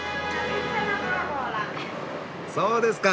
そうですか。